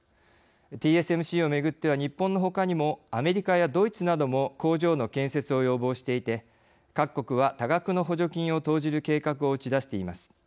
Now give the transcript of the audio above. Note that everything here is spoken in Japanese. ＴＳＭＣをめぐっては日本のほかにもアメリカやドイツなども工場の建設を要望していて各国は多額の補助金を投じる計画を打ち出しています。